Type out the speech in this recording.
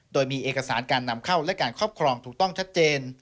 โดยมีเอกสารการนำเข้าและการครอบครองถูกต้องชัดเจน